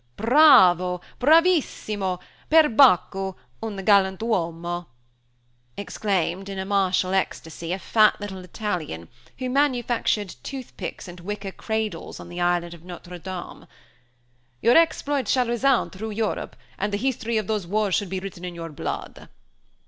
"Bravo! Bravissimo! Per Bacco! un gallant' uomo!" exclaimed, in a martial ecstasy, a fat little Italian, who manufactured toothpicks and wicker cradles on the island of Notre Dame; "your exploits shall resound through Europe! and the history of those wars should be written in your blood!"